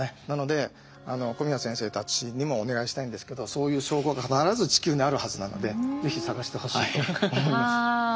なので小宮先生たちにもお願いしたいんですけどそういう証拠が必ず地球にあるはずなので是非探してほしいと思います。